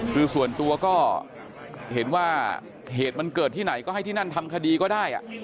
คือส่วนตัวก็เห็นว่าเหตุมันเกิดที่ไหนก็ให้ที่นั่นทำคดีก็ได้